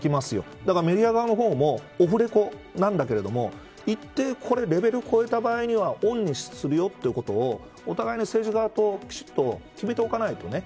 だから、メディア側の方もオフレコなんだけれども一定のレベルを超えた場合にはオンにするよということをお互いに政治側ときちんと決めておかないとね。